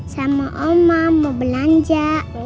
sama oma mau belanja